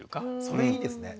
それいいですね。